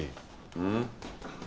うん？